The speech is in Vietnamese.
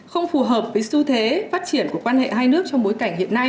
không phù hợp với xu thế phát triển của quan hệ hai nước trong bối cảnh hiện nay